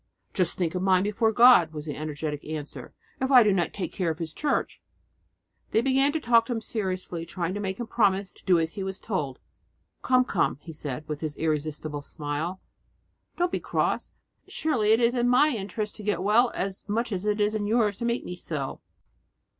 "Just think of mine before God," was the energetic answer, "if I do not take care of His Church!" They began to talk to him seriously, trying to make him promise to do as he was told. "Come, come," said he with his irresistible smile, "don't be cross; surely it is my interest to get well quite as much as it is yours to make me so."